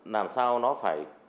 làm sao nó phải